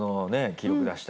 記録出したら。